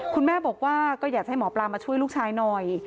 คุณแม่บอกว่าก็อยากให้หมอปลามาช่วยลูกชายหน่อย